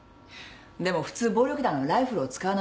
でも普通暴力団はライフルを使わない。